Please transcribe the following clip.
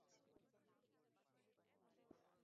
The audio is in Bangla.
মানুষ এই জায়গা ছেড়ে চলে গেছে।